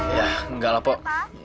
ya enggak lah pok